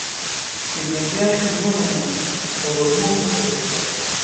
د بیدیا شنو لمنو په وږمو غسل وکړ